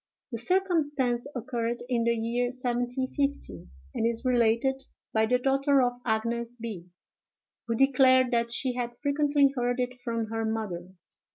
The circumstance occurred in the year 1750, and is related by the daughter of Agnes B——, who declared that she had frequently heard it from her mother.